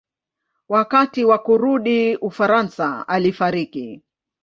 Wakati wa kurudi Ufaransa alifariki.